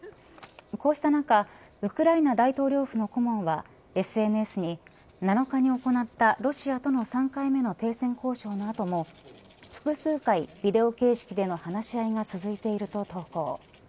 こうした中ウクライナ大統領府の顧問はＳＮＳに、７日に行ったロシアとの３回目の停戦交渉の後も複数回、ビデオ形式での話し合いが続いていると投稿。